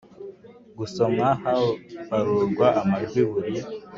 Gusomwa habarurwa amajwi buri